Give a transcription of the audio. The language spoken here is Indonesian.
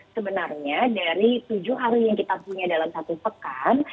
sebenarnya dari tujuh hari yang kita punya dalam satu pekan